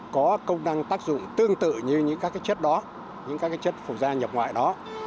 có công năng tác dụng tương tự như những chất phụ da nhập ngoại đó